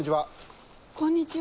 こんにちは。